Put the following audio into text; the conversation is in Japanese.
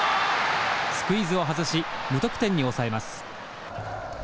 スクイズを外し無得点に抑えます。